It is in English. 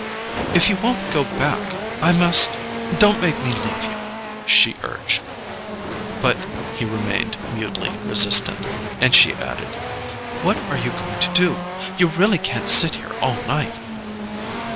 "If you won't go back, I must—don't make me leave you!" she urged. But he remained mutely resistant, and she added: "What are you going to do? You really can't sit here all night."